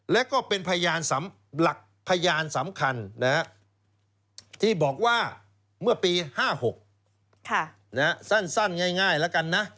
และก็เป็นพยานหลักพยานสำคัญที่บอกว่าเมื่อปี๕๖สั้นง่ายแล้วกันนะ